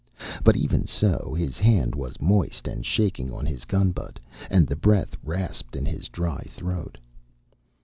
But even so his hand was moist and shaking on his gun butt, and the breath rasped in his dry throat.